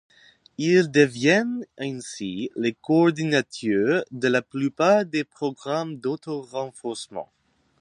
Ils deviennent ainsi les coordinateurs de la plupart des programmes d'auto-renforcement.